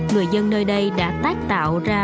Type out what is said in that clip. người dân nơi đây đã tác tạo ra